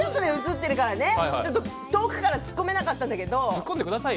遠くから突っ込めなかったんだけど。